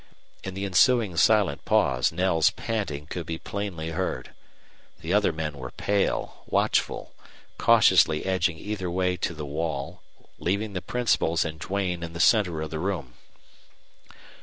In the ensuing silent pause Knell's panting could be plainly heard. The other men were pale, watchful, cautiously edging either way to the wall, leaving the principals and Duane in the center of the room.